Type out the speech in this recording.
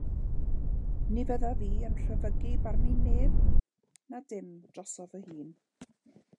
Ni fyddaf i yn rhyfygu barnu neb, na dim, drosof fy hun.